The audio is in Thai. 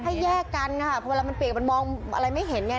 ให้แยกกันค่ะพอเวลามันเปียกมันมองอะไรไม่เห็นเนี่ย